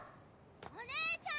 お姉ちゃん！